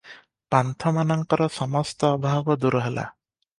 ପାନ୍ଥମାନଙ୍କର ସମସ୍ତ ଅଭାବ ଦୂର ହେଲା ।